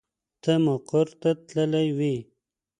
ته مقر تللی وې.